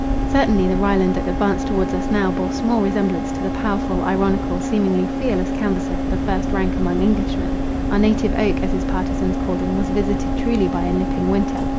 Certainly the Ryland that advanced towards us now, bore small resemblance to the powerful, ironical, seemingly fearless canvasser for the first rank among Englishmen. Our native oak, as his partisans called him, was visited truly by a nipping winter.